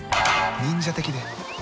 忍者的で。